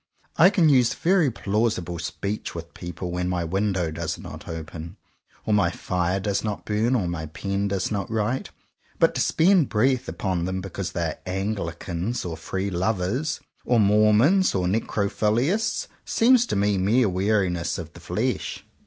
I can use very plausible speech with people when my window does not open, or my fire does not burn, or my pen does not write. But to spend breath upon them because they are Anglicans, or Free Lovers, or Mormons, or Necrophiliasts, seems to me mere weariness of the flesh.